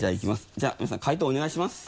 じゃあ皆さん解答お願いします。